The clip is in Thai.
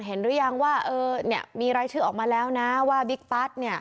เห็นหรือยังว่ามีรายชื่อออกมาแล้วนะว่าวิทย์ปัสเนี่ย